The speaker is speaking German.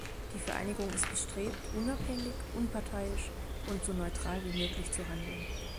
Die Vereinigung ist bestrebt, unabhängig, unparteiisch und so neutral wie möglich zu handeln.